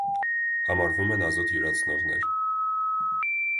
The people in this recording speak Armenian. Համարվում են ազոտյուրացնողներ։